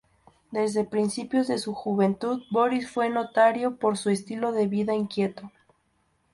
Desde principios de su juventud, Borís fue notorio por su estilo de vida inquieto.